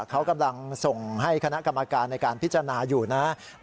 เขากำลังส่งให้คณะกรรมการในการพิจารณาอยู่นะครับ